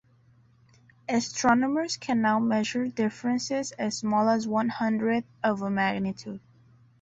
Astronomers can now measure differences as small as one-hundredth of a magnitude.